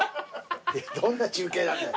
どんな中継なんだ。